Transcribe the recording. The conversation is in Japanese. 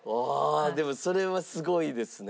ああでもそれはすごいですね。